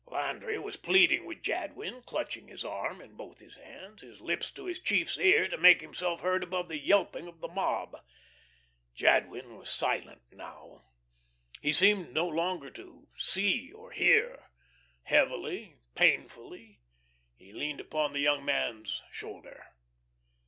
Landry was pleading with Jadwin, clutching his arm in both his hands, his lips to his chief's ear to make himself heard above the yelping of the mob. Jadwin was silent now. He seemed no longer to see or hear; heavily, painfully he leaned upon the young man's shoulder.